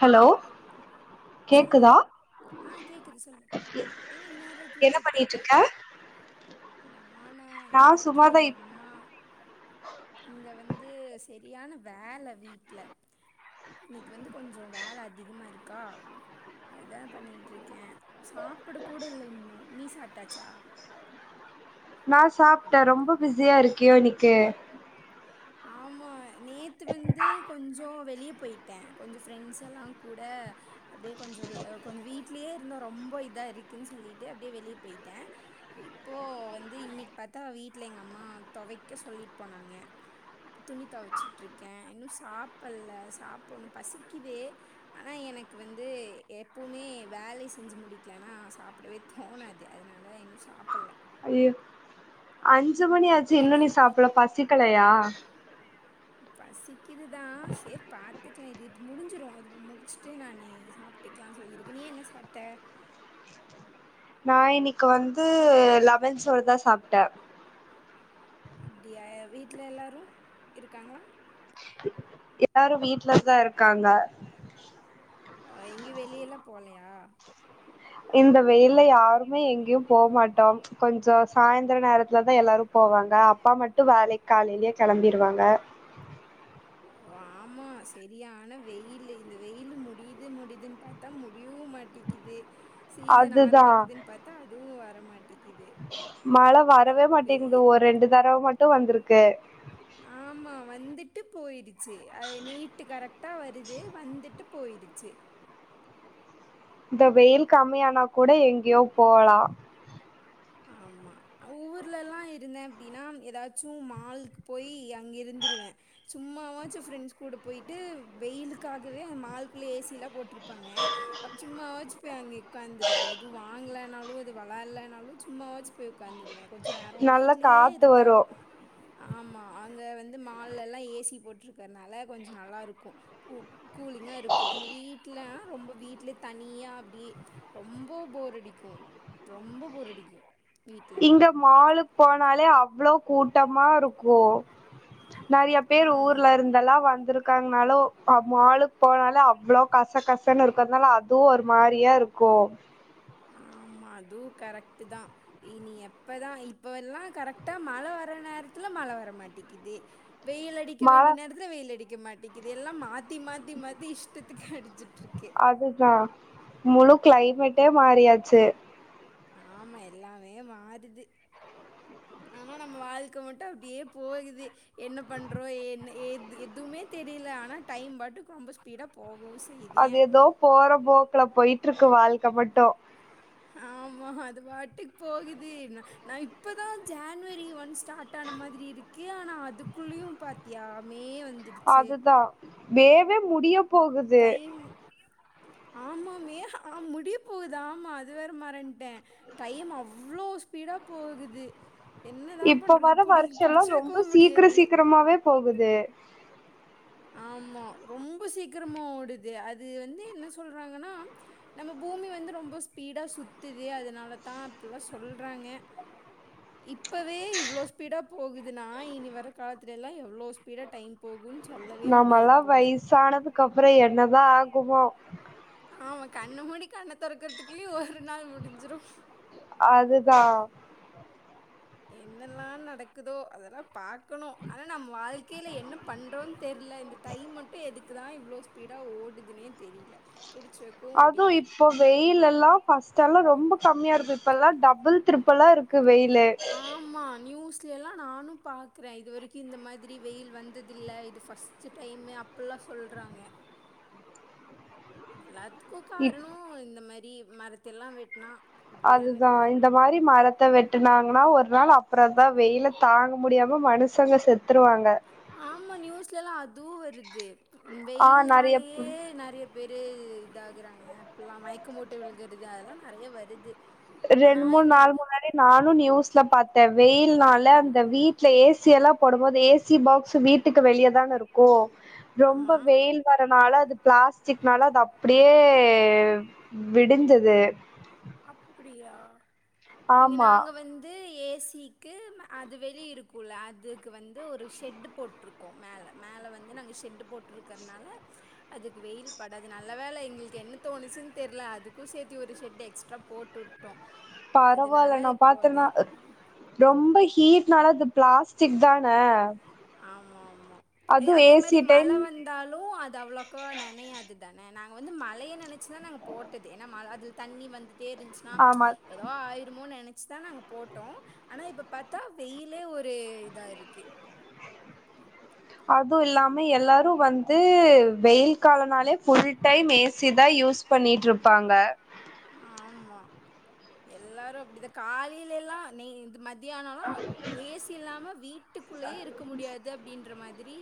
Hello சொல்லு கேக்குதா ஆ கேக்குது சொல்லு ஏன் இந்ரேத்துல என்ன பண்ணிட்டு கூப்ட்ருக்க இருக்க நானா நா எனக்கு சும்மாதா எங்க இப் அம்மா இங்க வந்து சரியான வேல வீட்ல இன்னைக்கு வந்து கொஞ்சோ வேல அதிகமா இருக்கா அதா பண்ணிட்ருக்கே சாப்பிட கூட இல்ல இன்னு நீ சாப்ட்டாச்சா நா சாப்ட்டே ரொம்ப பிஸியாருக்கியோ இன்னைக்கு ஆமா நேத்து வந்து கொஞ்சோ வெளிய போயிட் ட கொஞ்ச ஃப்ரெண்ட்ஸல்லா கூட அப்டியே கொஞ்ச வெ கொஞ்ச வீட்லயே இருந்தோ ரொம்ப இதா இருக்குன் சொல்லிட்டு அப்டியே வெளிய போயிட்டே இப்போ வந்து இன்னைக் பாத்தா வீட்ல எங்க அம்மா தொவைக்க சொல்லிட் போனாங்க துணி தொவச்சுட்ருக்க இன்னு சாப்பல்ல சாப்புணு பசிக்குவே ஆனா எனக்கு வந்து எப்போமே வேலை செஞ்சு முடிக்லனா சாப் ப்டவே தோணாது அதனால இன்னு சாப்பல்ல ஐயோ அஞ்சு மணி ஆச்சு இன்னு நீ சாப்பல பசிக்கலையா பசிக்குது தா சேரி பாத்துக்லா இது இப்போ முடிஞ்சிரு இது இப்ப முடிச்சுட்டு நானே சாப் ட்டுக்கலான் சொல்லிருக்கு நீ என்ன சாப்ட்ட நா இன்னைக்கு வந்து லெமன் சோறு தா சாப்ட்ட அப்டியா வீட்ல எல்லாரு இருக்காங்ளா எல்லாரு வீட்லதா இருக்காங்க அ எங்கயு வெளிய எல்லா போலயா இந்த வெயில்ல யாருமே எங்கயு போ மாட்டோ கொஞ்சோ சாய்ந்தர நேரத்துல தா எல்லாரு போவாங்க அப்பா மட்டு வேலைக்கு காலைலே கெளம்பிருவாங்க வாமா சரியான வெயிலு இந்த வெயிலு முடியுது முடியுதுன் பாத் தா முடியு மாட்டிக்கிது சீசன் அதுதா ஆரம்பிக்குதுன் பாத்தா அதுவு வரமாட்டிக்குது டிங்கு ஒரு ரெண்டு தறவ மட்டு வந்துருக்கு ஆமா வந்துட்டு போய்டுச்சு அது நீட்டு கரெக்டா வருது வந்துட்டுப் போய்ருச்சு இந்த வெயில் கம்மியானா கூட எங்கயோ போலா ஆமா ஊர்லல்லா இருந்த அப்டினா ஏதாச்சு மால்கு போய் அங்க இருந்துருவ சும்மாவாச்சு ஃப்ரெண்ட்ஸ் கூட போய்ட்டு வெயிலுக்காகவே மால்க்குள்ள ஏசிலா போட்ருப் ப்பாங்க சும்மாவாச்சு போய் அங்க உக்காந்துருவ எதுவு வாங்கலனாலு எது வெளாட்லனாலு சும்மாவாச்சு போய் உக்காந்துருவ கொஞ்ச நேரோ நல்ல வீட்லயே காத்து இருந்தா வரு ஆமா அங்க வந்து மால்லல்லா ஏசி போட்ருக்கனால கொஞ்சோ நல்லா இருக்கு கூ கூலிங்கா இருக்கு இங்க வீட் ட்டுல ரொம்ப வீட்ல தனியா அப்டி ரொம்ப போர் அடிக்கு ரொம்ப போரடிக்கு இங்க மாலுக் போனாலே அவ்ளோ கூட்டமாருக்கு நறைய பேர் ஆமா ஊர்லருந் லல்லா வந்திருக்காங்கனாலு மாலுக் போனாலு அவ்ளோ கச கசன்னு இருக்கிறதுனால துவு ஒரு மாரியா இருக்கு ஆமா அதுவு கரெக்ட் தா இனி எப்பதா இப்ப எல்லா கரெக்டா மழ வர நேரத்துல மழ வரமாட்டேக்கிது வெயிலட் அடிக்க மழ வேண்டிய நேரத்துல வெயில் அடிக்க மாட்டேக்குது எல்லாம் மாத்தி மாத்தி மாத்தி இஷ்டத்துக்கு அடிச்சுட்ருக்கு அதுதா முலு கிளைமெட்டே மாறியாச்சு ஆமா எல்லாமே மாறுது ஆனா நம்ம வாழ்க்க மட்டு அப்டியே போகுது என்ன பண்றோ என்ன எது எதுவுமே தெரியல ஆனா டைம் பாட்டுக்கு ரொம்ப ஸ்பீடா போகவு அது ஏதோ போற போக்குல பொயிட்டு இருக்கு வாழ்க்க மட்டு ஆமா அது பாட்டுக் போகுது நா நா இப்பதா ஜன்வரி ஒன் ஸ்டார்ட் ஆன மாதிரி இருக் கு ஆனா அதுக்குள்ளயு பாத்தியா மே வந்துட் அதுதா மேவே முடியப் டைமு ஆமா மேகா ஆ முடிய போகுது ஆமா‌ அது வேற மறன்ட்ட டைம் அவ்ளோ ஸ்பீடா போகுது என்னதான் இப்போ பண்றது? வர புடி வருஷோல்லா புடிச்சு ரொம்ப வைக்கவும் சீக்கிர முடியாது. சீக்கிரமாவே போகுது ஆமா ரொம்ப சீக்கிரமா ஓடுது அது வந்து என்ன சொல்றாங்கனா நம்ம பூமி வந்து ரொம்ப ஸ்பீடா சுத்துது அதனாலதா அப்டிலா சொல்றாங்க இப்பவே இவ்ளோ ஸ்பீடா போகுதுனா இனி வர காலத்துல எல்லா எவ்ளோ ஸ்பீடா டைம் போகும்னு சொல்லவே முடியாது நம்மல்லா போல வயசானதுக்கு அப்புறொ என்னதா ஆகுமோ ஆமா கண்ணு மூடி கண்ண தொறக்கறதுக்குல்லயே ஒரு நாள் முடிஞ்சிரு அதுதா என்னெல்லா நடக்குதோ அதெல்லா பாக்கணு ஆனா நம்ம வாழ்க்கையில என்ன பண்றோ தெர்ல இந்த டைம் மட்டு எதுக்குதா இவ்ளோ ஸ்பீடா ஓடுதுனே தெரில புடிச்சி அதுவு இப்ப வெயில் எல்லா ஃபஸ்ட்டல்லா ரொம்ப கம்மியா இருக்கு இப்பல்லா டபுள் த்ருப்ளாயிருக் ஆமா நியூஸ் சிலா நானு பாக்றே இது வரைக்கு இந்த மாதிரி வெயில் வந்ததில்ல இது ஃபர்ஸ்ட்டு டைமு அப்புலா சொல்றாங்க எல்லாத்துக்கு இப் காரணொ இந்த மாரி மரத்த எல்லா வெட்னா அப்டிதான அதுதா இருக்கு இந்த மாரி மரத்த வெட் டுனாங்கனா ஒரு நாள் அப்புற தா வெயில தாங்க முடியாம மனுசங்க செத்துருவாங்க ஆமா நியூஸ்லல்லா அதுவு வருது ஆ நெறைய வெயில்னாலயே நெறையப் பேரு இதாகுறாங்க இப்பல்லாம் மயக்கம் போட்டு விழுகுறது அதெல்லா நெறைய வருது ஆனா ரெண்டு மூண் இந்த நாள் முன்னாடி நானும் நியூஸ்ல பாத்த வெயில்னால அந்த வீட்ல ஏசி எல்லா போடும்போது ஏசி பாக்ஸ் வீட் டுக்கு வெளியதான இருக்கு ரொம்ப ஆமா வெயில் வரனால அது பிளாஸ்டிக்னால அது அப்படியே வெடிஞ்சது அப்படியா இங்க ஆமா நாங்க வந் து ஏசிக்கு அது வெளிய இருக்குல அதுக்கு வந்து ஒரு ஷெட்டு போட்ருக் கோ மேல மேல வந்து நாங்க ஷெட்டு போட்டுருக்கிறனால அதுக்கு வெயில் படாது நல்ல வேலை எங்களுக்கு என்ன தோணுச்சுன் தெரில அதுக்கும் சேத்தி ஒரு ஷெட்டு எக்ஸ்ட்ரா போட்டு வுட்டோ பரவாயில்ல நா பாத்தேன்னா ரொம்ப ஹீட்னால அது பிளாஸ்டிக் தான ஆமா ஆமா அதுவு அதே ஏசி மாரி மழ டைம் வந் தாலும் அது அவ்ளோக்கோ நினையாது தான நாங்க வந்து மழைய நினைச்சுதா நாங்க போட்டது ஏன்னா ம அது தண்ணி வந்துட்டே இருந்துச்சுன்னா ஆமா ஏதோ ஆயிருமோ நினைச் சு தான் நாங்க போட்டோம் ஆனா இப்ப பாத்தா வெயிலே ஒரு இதா இருக்கு அதுவும் இல்லாம எல்லாரும் வந்து வெயில் காலம்னாலே ஃபுல் டைம் ஏசி தான் யூஸ் பண்ணிட்ருப்பாங்க ஆமா எல்லாரும் அப்படிதா காலையில எல்லாம் நய் இது மத் த்தியானம் எல்லாம் ஏசி இல்லாம வீட்டுக்குள்ளயே இருக்க முடியாது து அப்படின்ற மாதிரி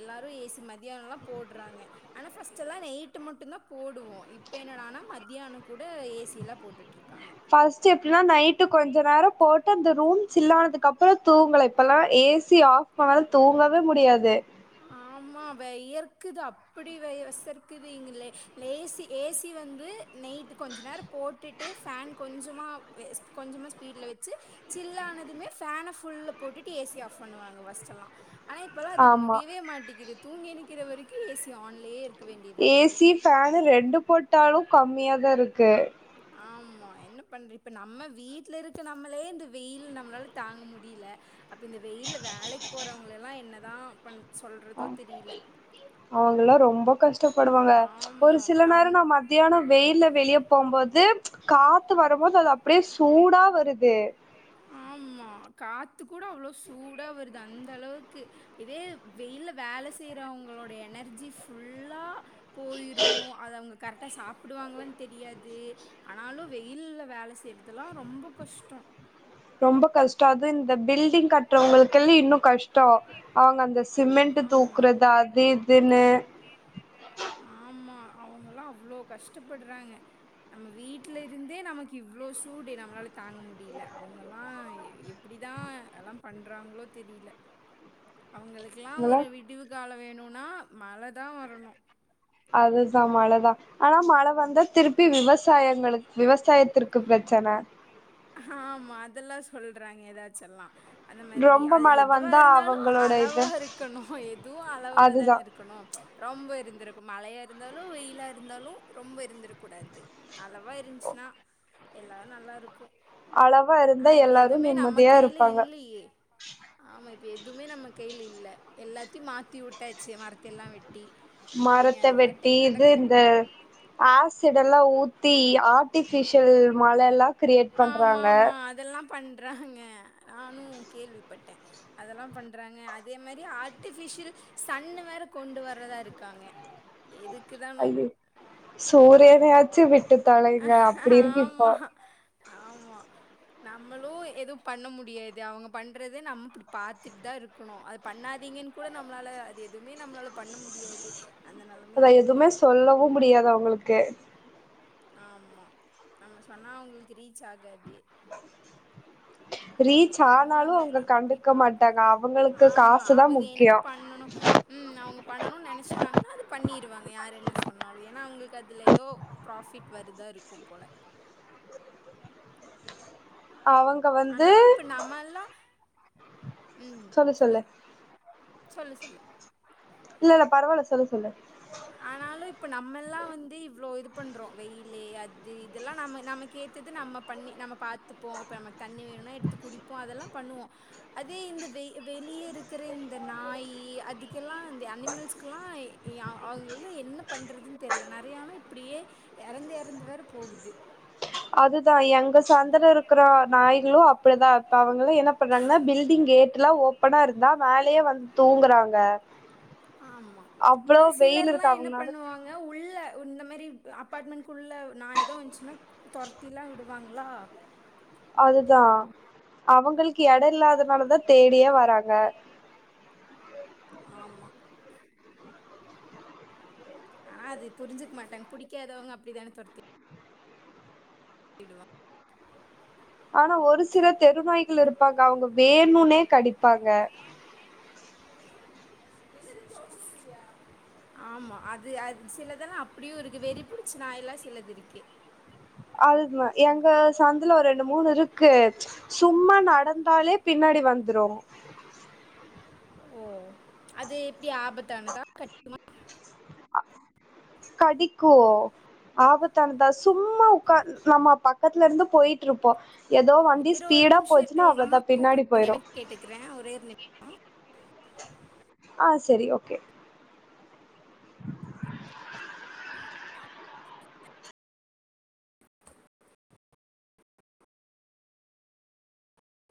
எல்லாரும் ஏசி மதியானம் எல்லாம் போட்றாங்க ஆனா ஃபர்ஸ்ட் ஆச்சுவலா நைட்டு மட்டும்தான் போடுவோம் இப்ப என்னடான்னா மத்தியானம் கூட ஏசியெல்லாம் போட்டுட்டுயிருக்காங்க ஃபர்ஸ்ட்டு எப்படின்னா நைட்டு கொஞ்சம் நேரம் போட்டு அந்த ரூம் சில்லானதுக்கப்புறம் தூங்கல இப்பல்லாம் ஏசி ஆஃப் [unintelligible] தூங்கவே முடியாது ஆமா வயர்க்குது அப்படி வசர்க்குது இங்க இல ஏசி ஏசி வந்து நைட்டு கொஞ்ச நேரம் போட்டுட்டு ஃபேன் கொஞ்சமா வெ கொஞ்சமா ஸ்பீட்ல வச்சு ஜில்லானதுமே ஃபேன ஃபுல்லா போட்டுட்டு ஏசி ஆஃப் பண்ணுவாங்க ஃப்ர்ஸ்ட் எல்லாம் ஆனா இப்போல்லா அதுக்கு ஆமா முடியவே மாட்டேக்குது தூங்கி எந்திக்கிற வரைக்கு ஏசி ஆன்லயே இருக்கு ஏசி ஃபேனு ரெண்டு போட்டாலு கம்மியா தா இருக்கு ஆமா என்ன பண்ற இப்ப நம்ம வீட்டுல இருக்க நம்மளே இந்த வெயில் நம்மளால தாங்க முடியல அப்ப இந்த வெயில்ல வேலைக்கு போறவுங்களெல்லா என்ன தா பண் சொல்கிறதோ தெரியல அவுங்கல்லா ரொம்ப கஷ்டப்படுவாங்க ஒரு ஆமாம் சில நேரம் அவங்க நா மத்தியானம் வெயில்ல வெளியே போகும்போது காத்து வரும்போது அது அப்படியே சூடா வருது ஆமா காத்து கூட அவ்வளவு சூடா வருது அந்த அளவுக்கு இதே இது வெயில்ல வேலை செய்றவுங்களோட எனர்ஜி ஃபுல்லா போயிரும் அது அவுங்க கரெக்டா சாப் படுவாங்களான்னு தெரியாது ஆனாலும் வெயில்ல வேலை செய்யறதுல்லாம் ரொம்ப கஷ்டம் ரொம்ப கஷ்டம் அது இந்த பில்டிங் கட்டுறவுங்களுக்குல்லி இன்னும் கஷ் டம் அவுங்க அந்த சிமெண்ட் ஆமா தூக்குறது அது இதுன்னு ஆமா அவுங்கல்லாம் அவ்ளோ கஷ்டப்பட்றாங்க நம்ம வீட்ல இருந்தே நமக்கு இவ்ளோ சூடு நம்மளால தாங்க முடியல அவுங்கல்லாம் எப் எப்படி தான் அதெல்லாம் பண்றாங்களோ தெரியல அவுங்களுக்கெல்லாம் அதெல்லா ஒரு விடிவு காலம் வேணுன்னா மழை தான் வரணும் அதுதான் மழதான் ஆனா மழை வந்தா திருப்பி விவசாயங்களுக்கு விவசாயத்திற்கு பிரச்சனை ஆமா அதெல்லா சொல்றாங்க எதாச்செல்லா அந்த மாதிரி ரொம்ப அது மழ எதுவா வந்தா இருந்தாலு அவங்களோட அளவா இது இருக்கணு எதுவு அளவா அதுதா தானே இருக் க்கணு ரொம்ப இருந்தருக்கு மழையா இருந்தாலு வெயிலா இருந்தாலு ரொம்ப இருந்திறக்கூடாது அளவா இருந்ச்சுனா எல்லா நல்லா இருக்கு அளவா இருந்தா எல்லாரு நிம்மதியா இருப்பாங்க பி‌ ஏ ஆமா இப்ப எதுமே நம்ம கைல இல்ல எல்லாத்தையு மாத்தி உட்டாச்சு மரத்தெல்லா வெட்டி அப்ப இனி மரத்த அது வெட்டி பாட்டுக்கு இது நடக்கு. இந்த ஆசிடெல்லா ஊத்தி ஆர்டிஃபிஷியல் மழலா ஆமாம்மா அதெல்லா பண்றாங்க நானு கேள்விப்பட்டே அதெல்லா பண்றாங்க அதே மாரி ஆர்ட்டிஃபிஷியல் சன்னு வேற கொண்டு வர்றதா இருக்காங்க எதுக்கு தா சூரியனயாச்சு விட்டு தொலைங்க அப்டி இருக்கு இப்போ ஆமா ஆமா நம்மளு எது பண்ண முடியாது அவ்ங்க பண்றத நம்ம இப்டி பாத்துட்தா இருக் க்கணு அது பண்ணாதீங்கன் கூட நம்மளால அது எதுவுமே நம்மளால பண்ண முடியாது அந்த நா நெலமையில இருக்கோ எதுமே சொல்லவு முடியாது அவ்ங்களுக்கு ஆமா நம்ம சொன்னா அவ்ங்களுக்கு ரீச் ஆகாது அவங்க ரீச் ஆனாலு பண்ணுவாங்க அவ்ங்க நம்ம எப்டி கண்டுக்க பாக்கணு மாட்டாங்க அவுங்களுக்கு ஆமா காசு தா அவங்க என்ன முக்கிய பண்ணணு ம் அவ்ங்க பண்ணணுன் நெனச்டாங்கனா அத பண்ணிருவாங்க யாரு என்ன சொன்னாலு ஏனா அவ்ங்களுக்கு அதுல எதோ ப்ராஃபிட் வருதா இருக்கு போல அவங்க வந்து நல்லா ம் சொல்லு சொல்லு சொல்லு இல்லல்ல பரவால்ல சொல்லு சொல்லு ஆனாலு இப்ப நம்மெல்லா வந்து இவ்ளோ இது பண்றோ வெயிலு அது இதெல்லா நம்ம நம்மக்கேத்தது நம்ம பா பண்ணி நம்ம பாத்துப்போ இப்ப நமக்கு தண்ணி வேணுனா எடுத்து குடிப்போ அதெல்லா பண்ணுவோ அதே இந்த வெ வெளிய இருக்கிற இந்த நாயி அதுக்கெல்லா இந்த அனிமல்ஸ்க்குலா யா அவ்ங்களலா என்ன பண்றதுன் தெர்ல நெறையானு இப்டியே எறந்து எறந்து வேற போகுது அதுதா எங்க சந்துல இருக்குற நாய்களு அப்டிதா இப்ப அவங்களா என்ன பண்றாங்கனா பில்டிங் கேட்டுலா ஓப் பனா இருந்தா மேலயே வந்து தூங்குறாங்க ஆமா அவ்ளோ ஆனா வெயில் சிலர்ல்லா இருக்கு என்ன அவங்கனால பண்ணுவாங்க உள்ள இந்தமாரி அப்பார்ட்மெண்ட்க்குள்ள நாய் எது வந்துச்சுனா தொரத்திலா விடுவாங்ளா அதுதா அவங்களுக்கு எட இல்லாதப் ஆமா ஆனா அது புரிஞ்சுக்க மாட்டாங்க புடிக்காதவ்ங்க அப்டித்தானே தொரத்தி விடுவா ஆனா ஒரு சில தெருநாய்கள் இருப்பாங்க அவ்ங்க வேணுனே கடிப்பாங்க ஆமா அது அது சிலதெல்லா அப்டியு இருக்கு வெறி புடிச்ச நாய்ல்லா சிலது இருக்கு அதுதா எங்க சந்துல ஒரு ரெண்டு மூணு இருக்கு சும்மா நடந்தாலே பின்னாடி வந்துரு ஓ அது எப்டி ஆபத் ஆ கடிக்கு ஆபத்தானதா சும்மா உக்கா நம்ம பக்கத்துல இருந்து போயிட்டு இருப்போ எதோ வண்டி இரு ஒரு ஸ்பீடா போச்சுன்னா அவ்ளோதா பின்னாடி போயிரு க்கிற ஒரே ஒரு நிம் ஆ செரி ஓகே